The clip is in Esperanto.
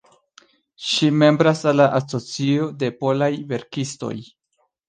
Ŝi membras al la Asocio de Polaj Verkistoj.